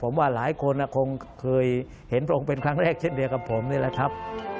ผมว่าหลายคนคงเคยเห็นพระองค์เป็นครั้งแรกเช่นเดียวกับผมนี่แหละครับ